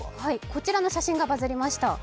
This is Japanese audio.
こちらの写真がバズりました。